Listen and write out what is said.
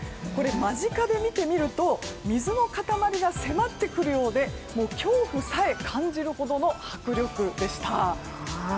間近で見てみると水の塊が迫ってくるようで恐怖さえ感じるほどの迫力でした。